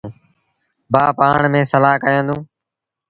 ڀآن پآڻ ميݩ سلآه ڪيآݩدوݩ۔